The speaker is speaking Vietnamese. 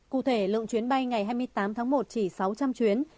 cụ thể lượng chuyến bay ngày hai mươi tám tháng một chỉ sáu trăm linh chuyến